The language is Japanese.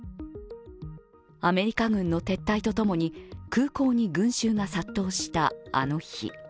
アメリカ軍の撤退とともに空港に群衆が殺到したあの日。